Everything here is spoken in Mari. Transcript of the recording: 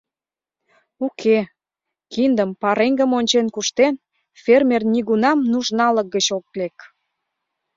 Уке, киндым-пареҥгым ончен куштен, фермер нигунам нужналык гыч ок лек.